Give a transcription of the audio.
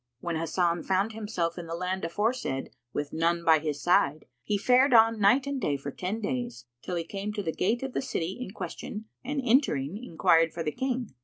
When Hasan found himself in the land aforesaid with none by his side he fared on night and day for ten days, till he came to the gate of the city in question and entering, enquired for the King.